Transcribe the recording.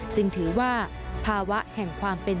จึงถือว่าภาวะแห่งความเป็น